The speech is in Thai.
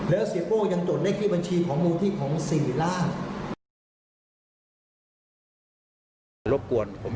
และเสียโบกันยังจดได้ขีดบัญชีของม